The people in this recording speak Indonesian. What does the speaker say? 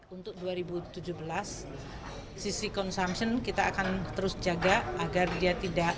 untuk dua ribu tujuh belas sisi consumption kita akan terus jaga agar dia tidak